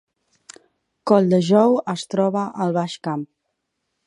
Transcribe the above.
Colldejou es troba al Baix Camp